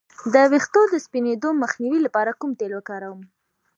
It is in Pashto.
د ویښتو د سپینیدو مخنیوي لپاره کوم تېل وکاروم؟